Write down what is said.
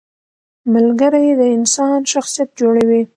• ملګری د انسان شخصیت جوړوي.